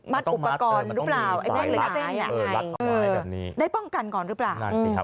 มัดอุปกรณ์หรือเปล่าไอ้เจ้งเหล็กเส้นได้ป้องกันก่อนหรือเปล่า